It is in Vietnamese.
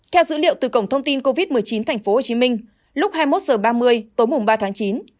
theo dữ liệu từ cổng thông tin covid một mươi chín tp hcm lúc hai mươi một h ba mươi tối mùng ba tháng chín